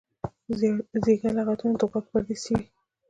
زیږه لغتونه د غوږ پرده څیري.